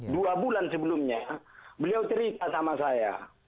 dua bulan sebelumnya beliau cerita sama saya